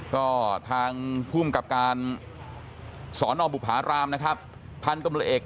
ก็ทางภูมิกับการสอนอบุภารามนะครับพันธุ์ตำรวจเอก